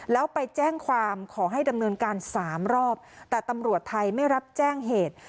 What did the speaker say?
แล้วไปแจ้งความขอให้ดำเนินการสามรอบแต่ตำรวจไทยไม่รับแจ้งเหตุ